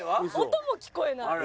音も聞こえない。